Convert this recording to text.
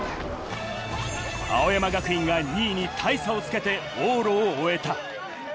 青山学院が２位に大差をつけて往路を終えた。